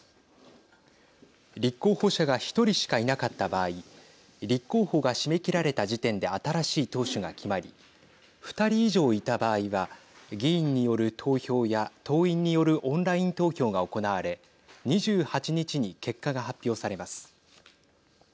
立候補者が１人しかいなかった場合立候補が締め切られた時点で新しい党首が決まり２人以上いた場合は議員による投票や党員によるオンライン投票が行われ２８日に結果が発表されます。